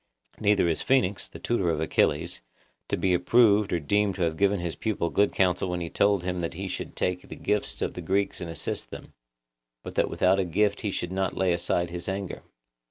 Neither is Phoenix, the tutor of Achilles, to be approved or deemed to have given his pupil good counsel when he told him that he should take the gifts of the Greeks and assist them; but that without a gift he should not lay aside his anger.